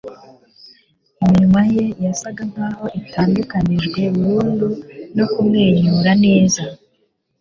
Iminwa ye yasaga nkaho itandukanijwe burundu no kumwenyura neza